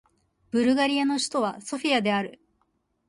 ブルガリアの首都はソフィアである